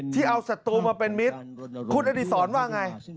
ที่เอาศัตรูมาเป็นมิตรคุณอดีศรว่าไง